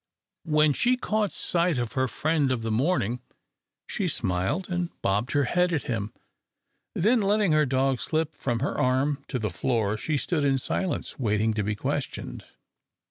When she caught sight of her friend of the morning, she smiled and bobbed her head at him, then, letting her dog slip from her arm to the floor, she stood in silence, waiting to be questioned.